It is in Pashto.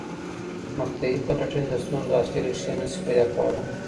مقطعي پلټني د ستونزو اصلي ریښې نه سي پیدا کولای.